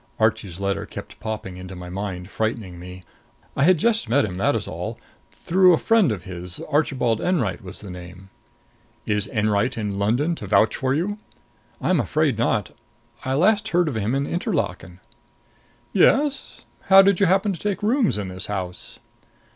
Archie's letter kept popping into my mind, frightening me. "I had just met him that is all; through a friend of his Archibald Enwright was the name." "Is Enwright in London to vouch for you?" "I'm afraid not. I last heard of him in Interlaken." "Yes? How did you happen to take rooms in this house?"